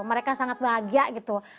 mereka sangat bahagia gitu